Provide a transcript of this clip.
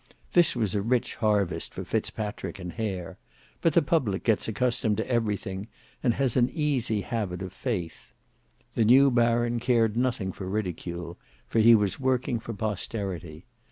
This was a rich harvest for Fitzpatrick and Hare; but the public gets accustomed to everything, and has an easy habit of faith. The new Baron cared nothing for ridicule, for he was working for posterity.